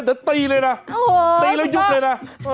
เฮ้ยแต่ตีเลยนะตีแล้วยุบเลยนะ